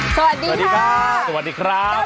สวัสดีครับสวัสดีครับ